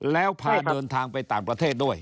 แล้วพาเดินทางไปต่างประเทศด้วย